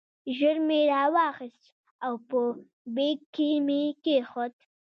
ژر مې راواخیست او په بیک کې مې کېښود.